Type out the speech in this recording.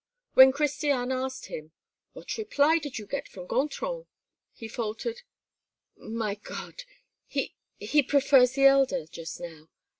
When Christiane asked him: "What reply did you get from Gontran?" He faltered: "My God! he he prefers the elder, just now.